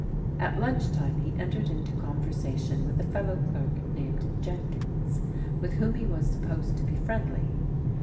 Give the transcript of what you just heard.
.\t lunch time he entered into ccmversation widi a fellow clerk named Jenkins, with whom he was stqyposed to be friendly.